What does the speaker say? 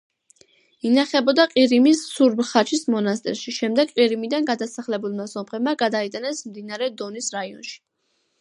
ინახებოდა ყირიმის სურბ-ხაჩის მონასტერში, შემდეგ ყირიმიდან გადასახლებულმა სომხებმა გადაიტანეს მდინარე დონის რაიონში.